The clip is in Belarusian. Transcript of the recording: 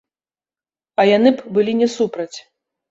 А яны б былі не супраць.